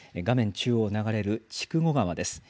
中央を流れる筑後川です。